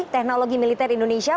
teknologi militer indonesia